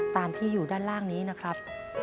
ตามที่อยู่ด้านล่างนี้นะครับ